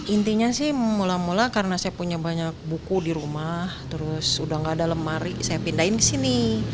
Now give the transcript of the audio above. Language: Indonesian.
intinya sih mula mula karena saya punya banyak buku di rumah terus udah gak ada lemari saya pindahin ke sini